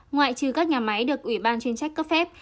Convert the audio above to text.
ngoại trừ các nhà máy được ủy ban chuyên trách cấp phép